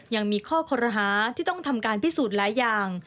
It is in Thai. ยังมีข้อคอรหาที่ต้องทำการพิสูจน์หลายอย่าง